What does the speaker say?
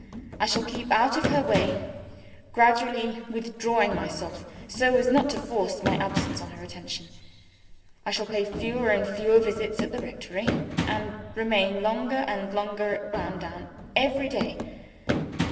I shall keep out of her way; gradually withdrawing myself, so as not to force my absence on her attention. I shall pay fewer and fewer visits at the rectory, and remain longer and longer at Browndown every day.